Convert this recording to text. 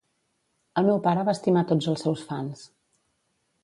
El meu pare va estimar tots els seus fans.